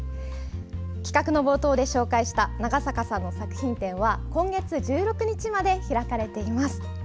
企画の冒頭で紹介した長坂さんの作品展は今月１６日まで開かれています。